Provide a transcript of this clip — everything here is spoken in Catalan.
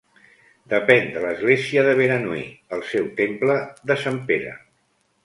Depèn de l'església de Beranui el seu temple de Sant Pere.